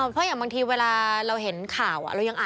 เพราะอย่างบางทีเวลาเราเห็นข่าว